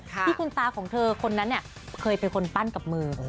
ที่คุณตาของเธอคนนั้นเคยเป็นคนปั้นกับมือ